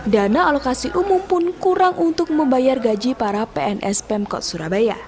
dana alokasi umum pun kurang untuk membayar gaji para pns pemkot surabaya